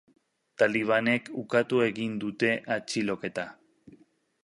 Talibanek ukatu egin dute atxiloketa.